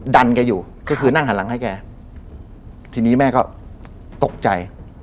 แกอยู่ก็คือนั่งหันหลังให้แกทีนี้แม่ก็ตกใจ